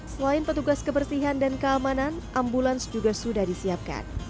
selain petugas kebersihan dan keamanan ambulans juga sudah disiapkan